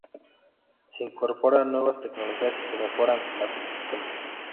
Se incorporan nuevas tecnologías y se mejoran las ya existentes.